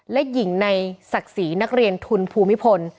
และหญิงในศักดิ์ศรีนักเรียนทุนภูมิพล